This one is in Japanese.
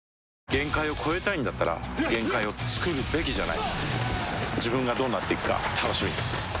限界を越えたいんだったら限界をつくるべきじゃない自分がどうなっていくか楽しみです